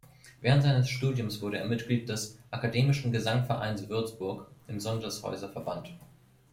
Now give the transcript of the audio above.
Während seines Studiums wurde er Mitglied des "Akademischen Gesangvereins Würzburg" im Sondershäuser Verband.